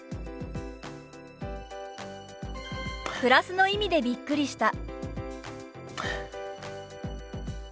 「プラスの意味でびっくりした」。